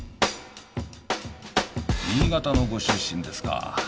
新潟のご出身ですか。